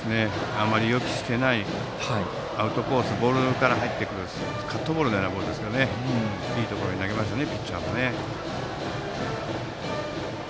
あまり予期していないアウトコースのボールから入ってくるカットボールのような球ですがピッチャーもいいところに投げましたね。